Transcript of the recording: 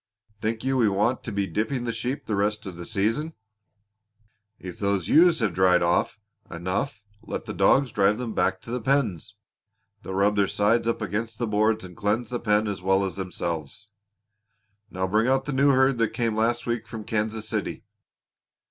Think you we want to be dipping sheep the rest of the season? If those ewes have drained off enough let the dogs drive them back to the pens. They'll rub their sides up against the boards and cleanse the pen as well as themselves. Now bring out the new herd that came last week from Kansas City.